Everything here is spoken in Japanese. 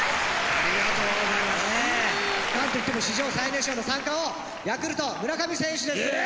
何といっても史上最年少の三冠王ヤクルト・村上選手です。